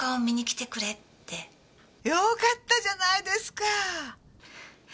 よかったじゃないですか！